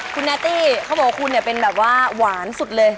คุณแนตตี้เขาบอกว่าคุณเนี่ยเป็นแบบว่าหวานสุดเลย